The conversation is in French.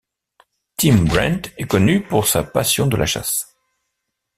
Tim Brent est connu pour sa passion de la chasse.